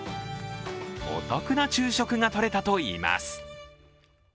お得な昼食がとれたといいます。